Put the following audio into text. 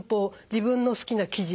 自分の好きな生地